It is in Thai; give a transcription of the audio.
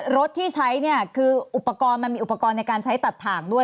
รถที่ใช้เนี่ยคืออุปกรณ์มันมีอุปกรณ์ในการใช้ตัดถ่างด้วย